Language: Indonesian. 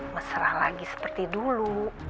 mesra lagi seperti dulu